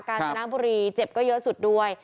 การจนบุรีเจ็บก็เยอะสุดด้วย